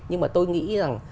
nhưng mà tôi nghĩ rằng